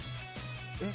えっ？